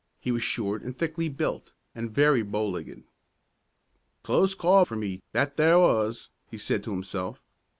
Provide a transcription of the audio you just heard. He was short and thickly built, and very bow legged. "Close call for me, that there was," he said to himself.